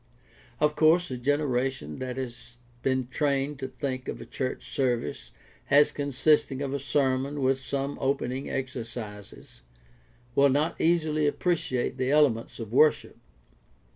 Of course a generation that has been trained to think of a church service as consisting of a sermon with some opening exercises will not easily appreciate the elements of worship.